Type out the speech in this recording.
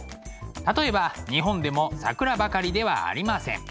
例えば日本でも桜ばかりではありません。